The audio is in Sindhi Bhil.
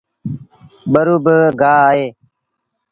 ٻرو باگآه اهي۔